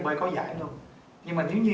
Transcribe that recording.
bơi có giải luôn nhưng mà nếu như